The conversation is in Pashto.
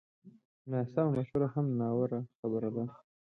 ناسمه مشوره هم ناوړه خبره ده